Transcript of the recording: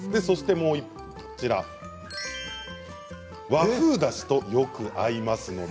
そして和風だしとよく合います